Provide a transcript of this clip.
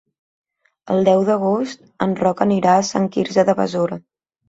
El deu d'agost en Roc anirà a Sant Quirze de Besora.